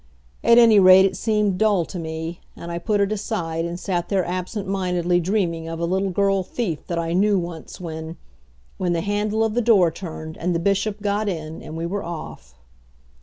At any rate, it seemed dull to me, and I put it aside and sat there absent mindedly dreaming of a little girl thief that I knew once when when the handle of the door turned and the Bishop got in, and we were off.